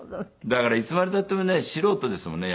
だからいつまで経ってもね素人ですもんね